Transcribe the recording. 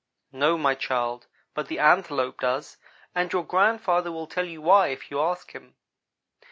"No, my child, but the Antelope does; and your grandfather will tell you why if you ask him."